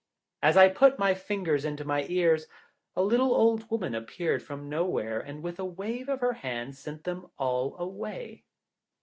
As I put my fingers into my ears, a little old woman appeared from nowhere, and with a wave of her hand sent them all away.